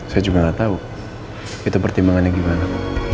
saya juga nggak tahu itu pertimbangannya gimana